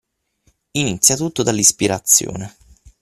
Inizia tutto dall’ispirazione.